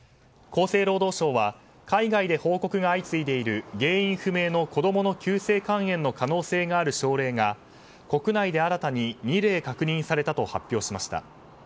厚生労働省は海外で報告が相次いでいる原因不明の子供の急性肝炎の可能性がある症例が国内で新たに２例確認されたと発表しました。